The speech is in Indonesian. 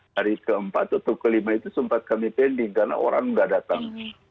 hari keempat atau kelima itu sempat kami pending karena orang tidak datang